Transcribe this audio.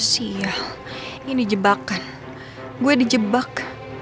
sial ini jebakan gue di jebak